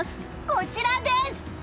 こちらです！